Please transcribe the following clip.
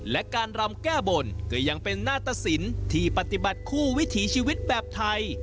และการรำแก้บนก็ยังเป็นหน้าตะสินที่ปฏิบัติคู่วิถีชีวิตแบบไทย